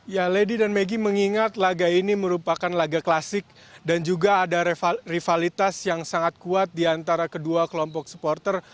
ya lady dan megi mengingat laga ini merupakan laga klasik dan juga ada rivalitas yang sangat kuat di antara kedua kelompok supporter